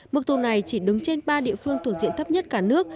mức thu này chỉ đứng trên ba địa phương thuộc diện thấp nhất cả nước